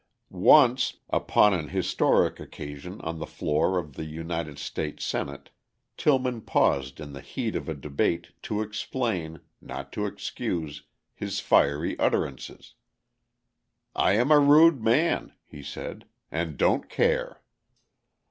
Once, upon an historic occasion on the floor of the United States Senate, Tillman paused in the heat of a debate to explain (not to excuse) his fiery utterances. "I am a rude man," he said, "and don't care."